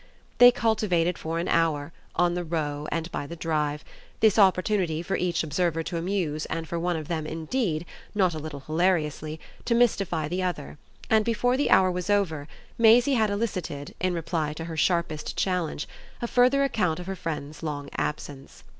They cultivated for an hour, on the Row and by the Drive, this opportunity for each observer to amuse and for one of them indeed, not a little hilariously, to mystify the other, and before the hour was over Maisie had elicited, in reply to her sharpest challenge, a further account of her friend's long absence.